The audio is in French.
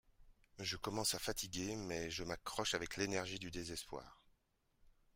Je commence à fatiguer mais je m'accroche avec l'énergie du désespoir